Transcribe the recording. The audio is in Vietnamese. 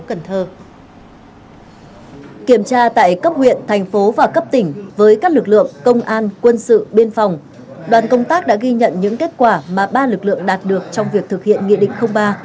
kiểm tra tại cấp huyện thành phố và cấp tỉnh với các lực lượng công an quân sự biên phòng đoàn công tác đã ghi nhận những kết quả mà ba lực lượng đạt được trong việc thực hiện nghị định ba